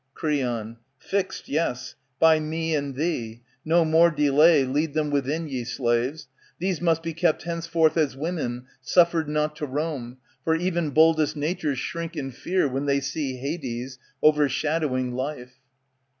Creon, Fixed, yes, by me and thee. No more delay, Lead them within, ye slaves. These must be kept Henceforth as women, suffered not to roam ; For even boldest natures shrink in fear ^^ When they see Hades overshadowing life.